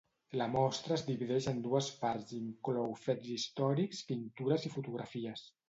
La mostra es divideix en dues parts i inclou fets històrics, pintures i fotografies.